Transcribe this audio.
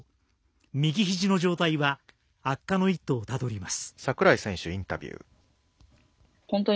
右ひじの状態は悪化の一途をたどります。